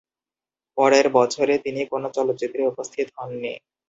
পরের বছরে তিনি কোনো চলচ্চিত্রে উপস্থিত হন নি।